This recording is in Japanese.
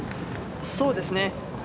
そうですね。